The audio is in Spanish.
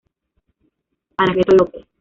Anacleto López.